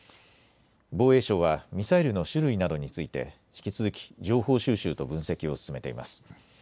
防衛省はミサイルの種類などについて引き続き情報収集と分析を進めています。